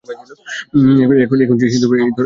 এখন সে এই দরজার কাছেই আছে।